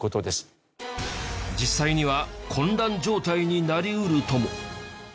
実際には混乱状態になり得るとも。